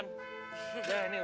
nggak apa apa cewek masa ganti ban